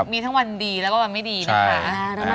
มีทั้งวันดีแล้วก็วันไม่ดีนะคะ